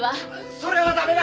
それは駄目だ！